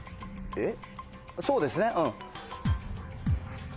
えっ？